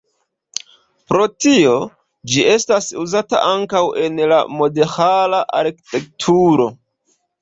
Pro tio, ĝi estas uzata ankaŭ en la mudeĥara arkitekturo.